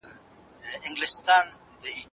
هغې په خپل زړه کې د الله ذکر پیل کړ او ارامه شوه.